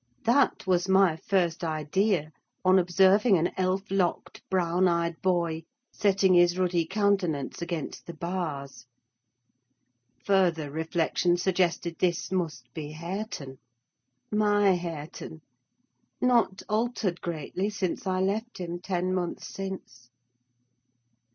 That was my first idea on observing an elf locked, brown eyed boy setting his ruddy countenance against the bars. Further reflection suggested this must be Hareton, my Hareton, not altered greatly since I left him, ten months since.